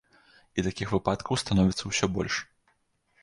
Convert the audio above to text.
І такіх выпадкаў становіцца ўсё больш.